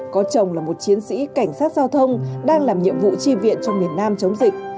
có chồng là một chiến sĩ cảnh sát giao thông đang làm nhiệm vụ chi viện trong miền nam chống dịch